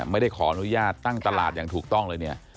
ไม่ได้ขออนุญาตตั้งตลาดอย่างถูกต้องเลยเนี่ย